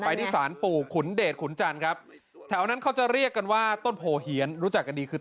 ที่สารปู่ขุนเดชขุนจันทร์ครับแถวนั้นเขาจะเรียกกันว่าต้นโพเหียนรู้จักกันดีคือ